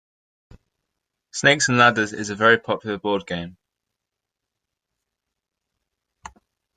Snakes and ladders is a very popular board game